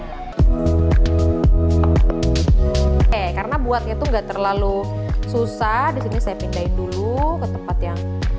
hai eh karena buat itu enggak terlalu susah di sini saya pindahin dulu ke tempat yang